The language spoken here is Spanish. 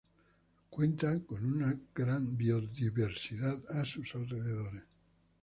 Cuenta con una gran Biodiversidad a sus alrededores.